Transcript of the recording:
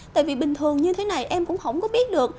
tại vì bình thường như thế này em cũng không có biết được